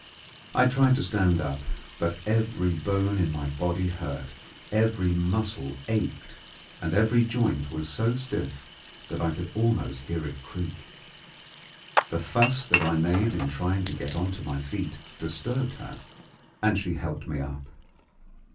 I tried to stand up, but every bone in my body hurt, every muscle ached, and every joint was so stiff that I could almost hear it creak. The fuss that I made in trying to get on to my feet disturbed her, and she helped me up.